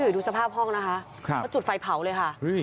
ดูสภาพห้องนะคะจุดไฟเผาเลยค่ะ